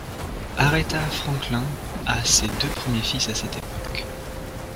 Aretha Franklin a ses deux premiers fils à cette époque.